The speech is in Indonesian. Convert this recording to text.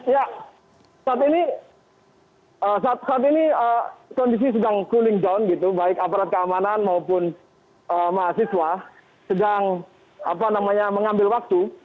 ya saat ini saat ini kondisi sedang cooling down gitu baik aparat keamanan maupun mahasiswa sedang mengambil waktu